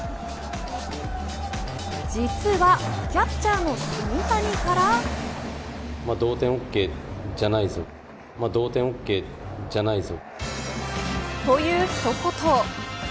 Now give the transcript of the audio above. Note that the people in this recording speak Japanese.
実はキャッチャーの炭谷から。という一言。